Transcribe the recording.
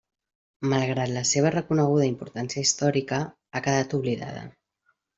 Malgrat la seva reconeguda importància històrica, ha quedat oblidada.